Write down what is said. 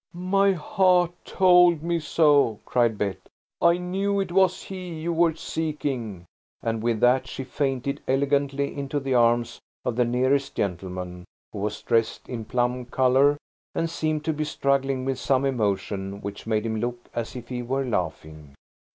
"My heart told me so," cried Bet. "I knew it was he you were seeking," and with that she fainted elegantly into the arms of the nearest gentleman, who was dressed in plum colour, and seemed to be struggling with some emotion which made him look as if he were laughing.